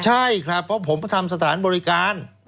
ใช่ครับเพราะผมทำสถานบริการ